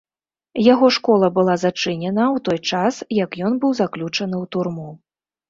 Яго школа была зачынена ў той час, як ён быў заключаны ў турму.